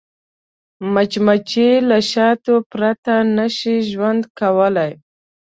مچمچۍ له شاتو پرته نه شي ژوند کولی